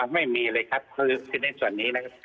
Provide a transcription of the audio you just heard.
ไม่มีเลยครับคือในส่วนนี้นะครับ